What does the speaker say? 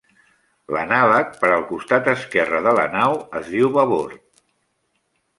L'anàleg per al costat esquerre de la nau es diu babord.